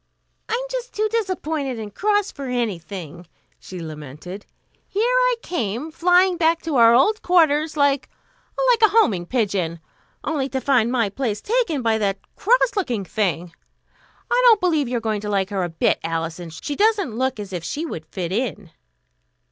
"I'm just too disappointed and cross for anything," she lamented. "Here I came flying back to our old quarters like like a homing pigeon, only to find my place taken by that cross looking thing. I don't believe you are going to like her a bit, Alison. She doesn't look as if she would fit in."